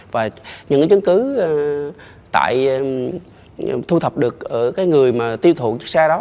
và những chứng cứ thu thập được ở người tiêu thụ chiếc xe đó